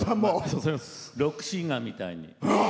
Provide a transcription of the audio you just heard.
ロックシンガーみたいに。